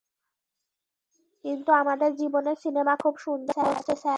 কিন্তু আমাদের জীবনের সিনেমা খুব সুন্দর হচ্ছে, স্যার।